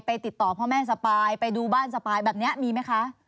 ติดต่อพ่อแม่สปายไปดูบ้านสปายแบบนี้มีไหมคะ